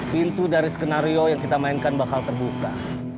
pintu dari skenario yang kita mainkan bakal terbuka